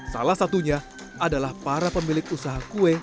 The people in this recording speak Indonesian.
salah satunya adalah para pemilik usaha kue